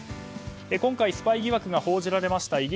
今回スパイ疑惑が報じられました